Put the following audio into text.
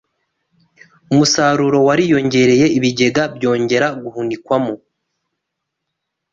umusaruro wariyongereye ibigega byongera guhunikwamo